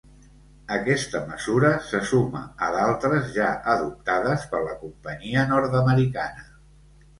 Aquesta mesura se suma a d’altres ja adoptades per la companyia nord-americana.